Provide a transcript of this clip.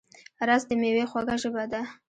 رس د مېوې خوږه ژبه ده